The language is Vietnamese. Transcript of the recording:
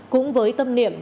cũng với tâm niệm